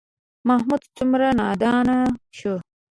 محمود څومره نادان شو.